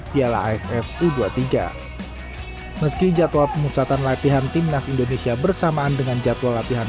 piala aff u dua puluh tiga meski jadwal pemusatan latihan timnas indonesia bersamaan dengan jadwal latihan